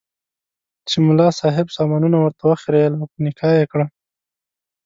چې ملا صاحب سامانونه ورته وخریېل او په نکاح یې کړه.